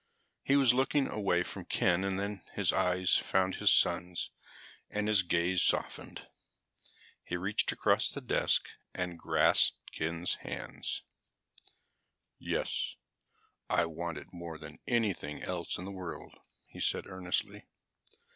He was looking away from Ken and then his eyes found his son's and his glance softened. He reached across the desk and grasped Ken's hand. "Yes, I want it more than anything else in the world," he said earnestly.